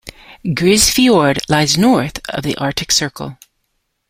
Grise Fiord lies north of the Arctic Circle.